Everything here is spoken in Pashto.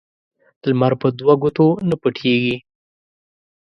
لمر په دوه ګوتو نه پټیږي